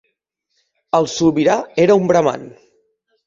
El sobirà era un braman.